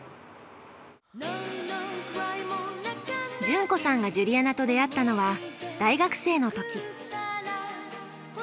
純子さんがジュリアナと出会ったのは大学生の時。